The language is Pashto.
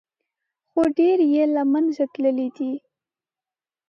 خو ډېر یې له منځه تللي دي.